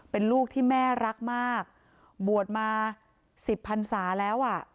เป็นลูกที่แม่รักมากบวชมาสิบพันศาแล้วอ่ะ